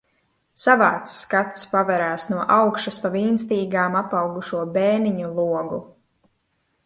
Savāds skats pavērās no augšas pa vīnstīgām apaugušo bēniņu logu.